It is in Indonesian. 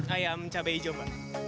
ayam cabai hijau mbak